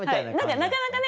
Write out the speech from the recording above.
なかなかね